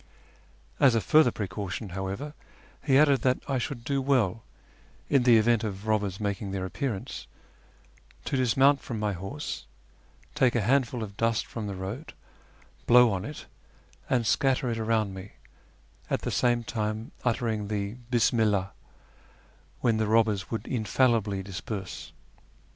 As a further precaution, however, he added that I should do well, in the event of robbers making their appear ance, to dismount from my horse, take a handful of dust from 56 A YEAR AAfONGST THE PERSIANS the road, Mow on it, and scatter it around me, at the same time uttering the " ])wni Ih'th," wlien the robbers would infallibly disperse.